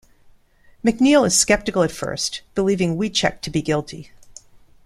McNeal is skeptical at first, believing Wiecek to be guilty.